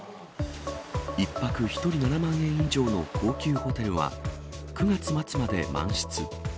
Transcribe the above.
１泊１人７万円以上の高級ホテルは、９月末まで満室。